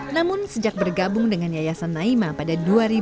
namun sejak bergabung dengan yayasan naima pada dua ribu dua